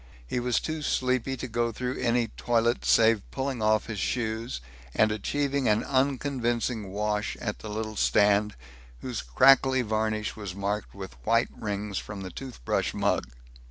He was too sleepy to go through any toilet save pulling off his shoes, and achieving an unconvincing wash at the little stand, whose crackly varnish was marked with white rings from the toothbrush mug.